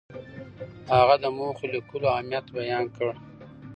هغه د موخو لیکلو اهمیت بیان کړ.